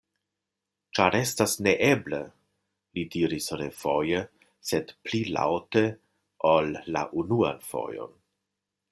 Ĉar estas neeble! li diris refoje, sed pli laŭte ol la unuan fojon.